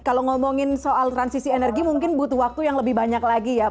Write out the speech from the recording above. kalau ngomongin soal transisi energi mungkin butuh waktu yang lebih banyak lagi ya